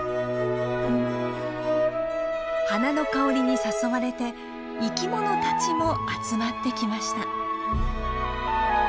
花の香りに誘われて生きものたちも集まってきました。